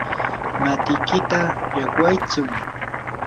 matikita llaqwaytsu.